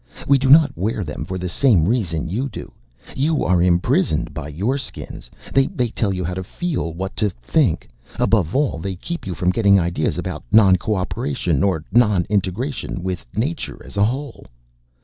We do not wear them for the same reason you do. You are imprisoned by your Skins they tell you how to feel, what to think. Above all, they keep you from getting ideas about non cooperation or non integration with Nature as a whole.